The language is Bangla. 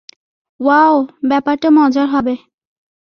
ওয়াও, ব্যাপারটা মজার হবে!